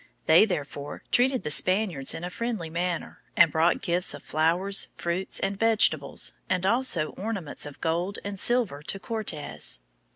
They, therefore, treated the Spaniards in a friendly manner, and brought gifts of flowers, fruits, and vegetables, and also ornaments of gold and silver to Cortes.